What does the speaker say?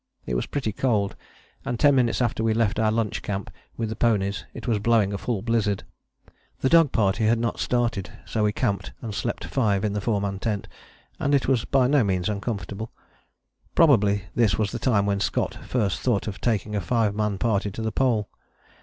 It was pretty cold, and ten minutes after we left our lunch camp with the ponies it was blowing a full blizzard. The dog party had not started, so we camped and slept five in the four man tent, and it was by no means uncomfortable. Probably this was the time when Scott first thought of taking a five man party to the Pole.